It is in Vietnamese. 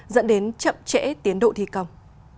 dẫn đến chậm trễ tiến độ thi công